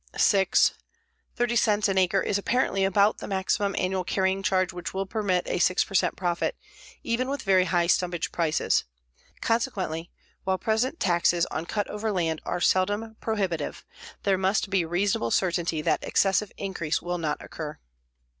6. Thirty cents an acre is apparently about the maximum annual carrying charge which will permit a 6 per cent profit, even with very high stumpage prices. Consequently, while present taxes on cut over land are seldom prohibitive, there must be reasonable certainty that excessive increase will not occur.